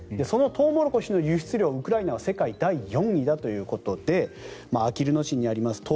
そのトウモロコシの輸出量がウクライナは世界第４位だということであきる野市にあります